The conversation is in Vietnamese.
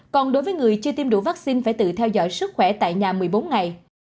còn đối với người chưa tiêm đủ vaccine phải tự theo dõi sức khỏe tại nhà một mươi bốn ngày